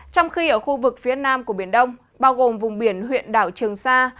trong khi ở khu vực phía nam của biển đông bao gồm vùng biển huyện đảo trường sa